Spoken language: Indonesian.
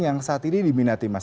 yang saat ini diminati mas